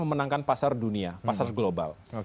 memenangkan pasar dunia pasar global